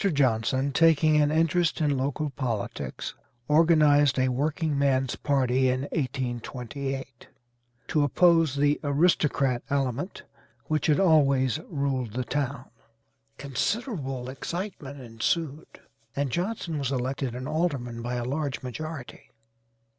Johnson, taking an interest in local politics, organized a workingman's party in 1828, to oppose the 'aristocrat element,' which had always ruled the town. Considerable excitement ensued, and Johnson was elected an alderman by a large majority.